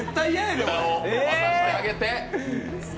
札を渡してあげて。